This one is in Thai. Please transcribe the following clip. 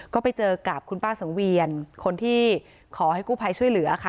ก็ไปเจอกับคุณป้าสังเวียนคนที่ขอให้กู้ภัยช่วยเหลือค่ะ